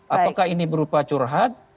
apakah ini berupa curhat